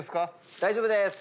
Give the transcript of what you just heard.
大丈夫です。